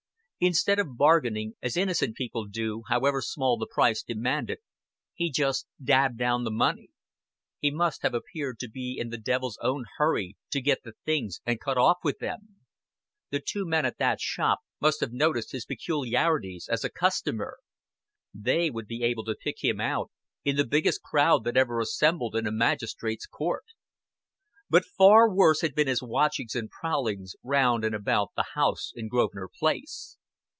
Instead of bargaining, as innocent people do, however small the price demanded, he just dabbed down the money. He must have appeared to be in the devil's own hurry to get the things and cut off with them. The two men at that shop must have noticed his peculiarities as a customer. They would be able to pick him out in the biggest crowd that ever assembled in a magistrate's court. But far worse had been his watchings and prowlings round and about the house in Grosvenor Place.